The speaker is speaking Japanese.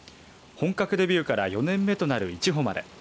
本格デビューから４年目となるいちほまれ。